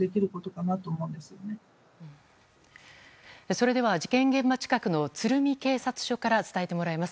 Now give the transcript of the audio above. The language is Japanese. それでは事件現場近くの鶴見警察署から伝えてもらいます。